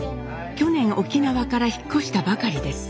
去年沖縄から引っ越したばかりです。